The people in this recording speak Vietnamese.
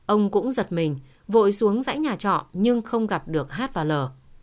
ông cũng giật mình vội xuống dãy nhà trọ nhưng không gặp được hát và lờ